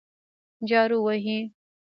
جارو وهي.